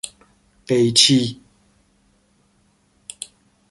قیچی